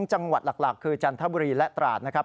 จังหวัดหลักคือจันทบุรีและตราดนะครับ